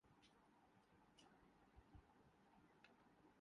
Argentine Grand Prix Moto G P کا title England کے Cal Crutchlow لے اڑے